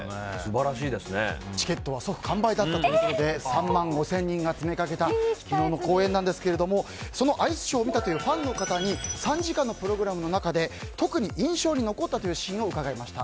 チケットは即完売だったということで３万５０００人が詰めかけた昨日の公演ですがアイスショーを見たという方に３時間のプログラムの中で特に印象に残ったシーンを伺いました。